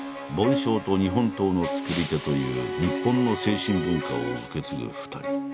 梵鐘と日本刀のつくり手という日本の精神文化を受け継ぐ２人。